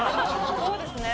そうですね